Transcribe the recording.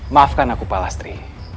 maafkan aku pak lastri